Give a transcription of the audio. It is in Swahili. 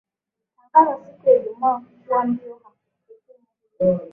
tangaza siku ya ijumaa kuwa ndio hukumu hiyo